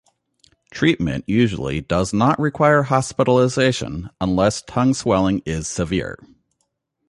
Treatment usually does not require hospitalization unless tongue swelling is severe.